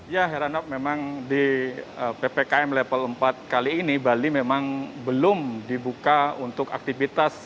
ya heranov memang di ppkm level empat kali ini bali memang belum dibuka untuk aktivitas